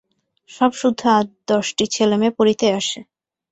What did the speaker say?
সবসুদ্ধ আট-দশটি ছেলেমেয়ে পড়িতে আসে।